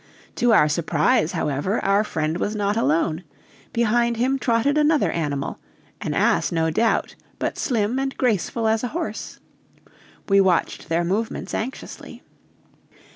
To our surprise, however, our friend was not alone: behind him trotted another animal, an ass no doubt, but slim and graceful as a horse. We watched their movements anxiously.